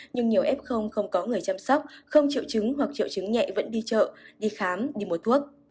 nhưng nhiều f không có người chăm sóc không triệu chứng hoặc triệu chứng nhẹ vẫn đi chợ đi khám đi mua thuốc